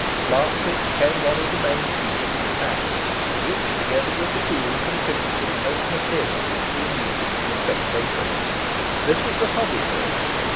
Lastly came one of the main features of the pageant, and which, together with the Fool, contributed most materially to the amusement of the spectators. This was the Hobby horse.